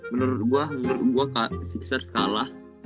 menurut gua menurut gua sixers kalah